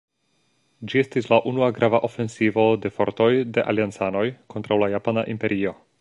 Ĝi estis la unua grava ofensivo de fortoj de Aliancanoj kontraŭ la Japana Imperio.